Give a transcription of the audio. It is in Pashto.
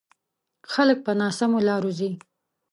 خلک په ناسمو لارو ځي.